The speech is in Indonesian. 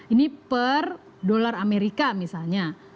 ini per dolar amerika misalnya